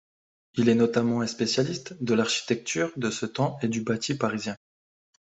Il est notamment un spécialiste de l’architecture de ce temps et du bâti parisien.